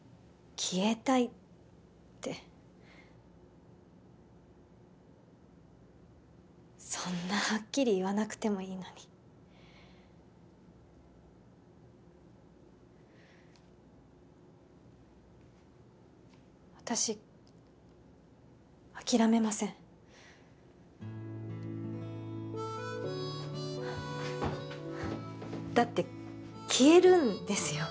「消えたい」ってそんなハッキリ言わなくてもいいのに私諦めませんだって消えるんですよ